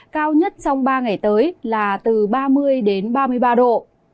cao nhất trong ba ngày tới là từ ba mươi đến ba mươi ba độ